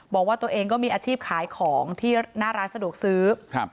บอกว่าตัวเองก็มีอาชีพขายของที่หน้าร้านสะดวกซื้อครับ